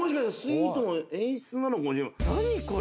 ・何これ？